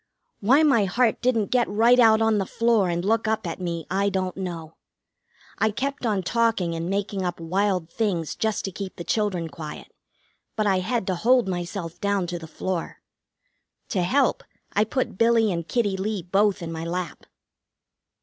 Why my heart didn't get right out on the floor and look up at me. I don't know. I kept on talking and making up wild things just to keep the children quiet, but I had to hold myself down to the floor. To help, I put Billy and Kitty Lee both in my lap.